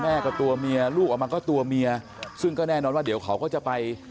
แม่ก็ตัวเมียลูกออกมาก็ตัวเมียซึ่งก็แน่นอนว่าเดี๋ยวเขาก็จะไป